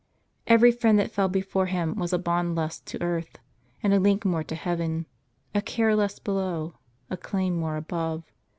Every friend that fell before him was a bond less to earth, and a link more to heaven ; a care less below, a claim more above.